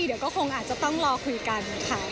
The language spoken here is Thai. เดี๋ยวก็คงอาจจะต้องรอคุยกันค่ะ